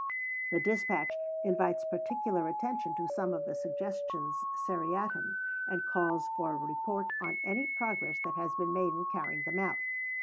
The dispatch invites particular attention to some of the Suggestions seriatim, and calls for a report on any progress that has been made in carrying them out.